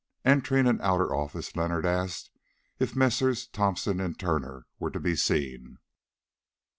Entering an outer office Leonard asked if Messrs. Thomson & Turner were to be seen.